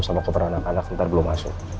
sama koper anak anak sebentar belum masuk